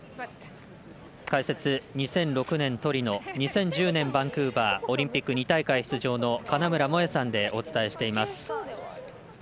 解説、２００６年トリノ２０１０年バンクーバーオリンピック２大会出場の金村萌絵さんでお伝えしています。